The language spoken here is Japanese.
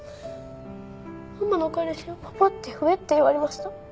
ママの彼氏をパパって呼べって言われました。